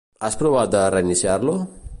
Has provat de reiniciar-lo?